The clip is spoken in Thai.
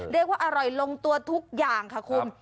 เรียกว่าอร่อยลงตัวทุกอย่างค่ะคุณ